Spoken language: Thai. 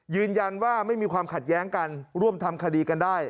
ยืนยันว่าไม่มีความขัดแย้งกันร่วมทำคดีกันได้